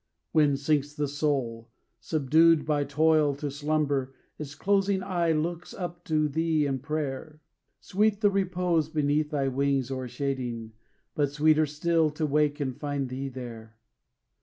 When sinks the soul, subdued by toil, to slumber, Its closing eye looks up to thee in prayer, Sweet the repose beneath thy wings o'ershading, But sweeter still to wake and find thee there.